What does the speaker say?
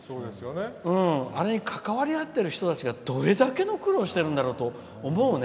あれに関わり合ってる人たちがどれだけの苦労をしてるんだろうと思うね。